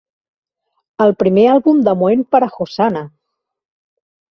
El primer àlbum de Moen per a Hosanna!